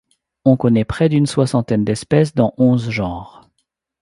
On connaît près d'une soixantaine d'espèces dans onze genres.